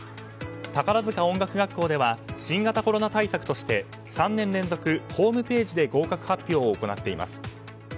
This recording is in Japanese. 宝塚音楽学校では新型コロナ対策として３年連続ホームページで合格発表を行っています。